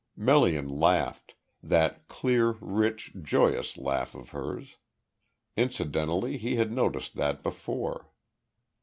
Melian laughed that clear, rich, joyous laugh of hers. Incidentally he had noticed that before.